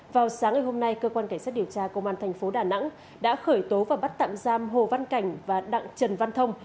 vào sáng ngày hôm nay cơ quan cảnh sát điều tra công an thành phố đà nẵng đã khởi tố và bắt tạm giam hồ văn cảnh và đặng trần văn thông